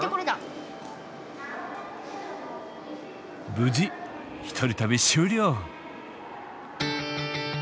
無事１人旅終了。